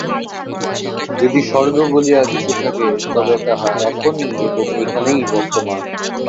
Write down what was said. যদি স্বর্গ বলিয়া কিছু থাকে, তবে তাহা এখনই এবং এইখানেই বর্তমান।